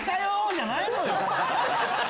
じゃないのよ！